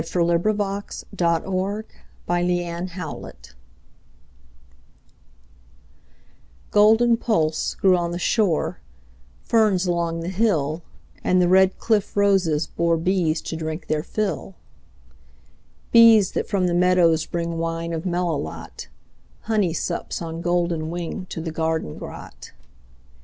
John Myers O'Hara Golden Pulse GOLDEN pulse grew on the shore, Ferns along the hill, And the red cliff roses boreBees to drink their fill; Bees that from the meadows bringWine of melilot, Honey sups on golden wingTo the garden grot.